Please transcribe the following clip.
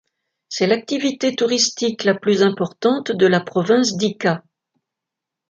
C'est l'activité touristique la plus importante de la province d'Ica.